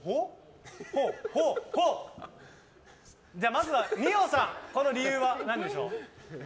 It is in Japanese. まずは二葉さん理由は何でしょう？